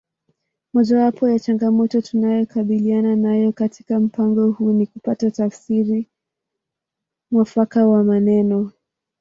Mojawapo ya changamoto tunayokabiliana nayo katika mpango huu ni kupata tafsiri mwafaka ya maneno